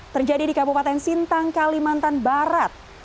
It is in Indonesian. terjadi di kabupaten sintang kalimantan barat